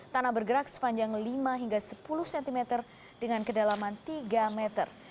tanah bergerak sepanjang lima hingga sepuluh cm dengan kedalaman tiga meter